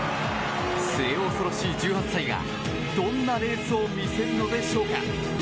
末恐ろしい１８歳がどんなレースを見せるのでしょうか。